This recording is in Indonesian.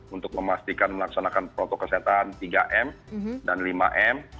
untuk memastikan melaksanakan protokol kesehatan tiga m dan lima m